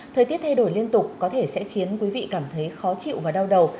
thời tiết thay đổi liên tục có thể sẽ khiến quý vị cảm thấy khó chịu và đau đầu